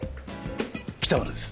北村です。